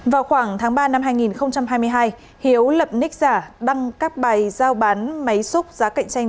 vào khoảng tháng ba năm hai nghìn hai mươi hai hiếu lập nic giả đăng các bài giao bán máy xúc giá cạnh tranh